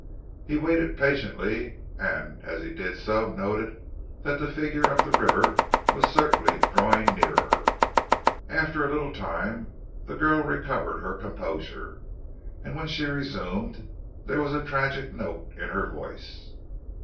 He waited patiently, and as he did so noted that the figure up the river was certainly drawing nearer. After a little time the girl recovered her composure, and when she resumed there was a tragic note in her voice.